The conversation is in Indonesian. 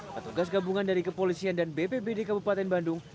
petugas gabungan dari kepolisian dan bpbd kabupaten bandung